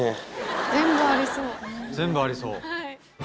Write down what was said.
全部ありそう。